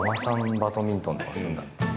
バドミントンとかするんだみたいな。